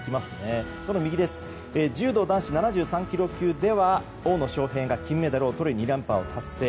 柔道男子７３ｋｇ級では大野将平が金メダルをとる２連覇達成。